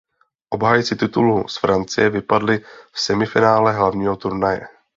Obhájci titulu z Francie vypadli v semifinále hlavního turnaje.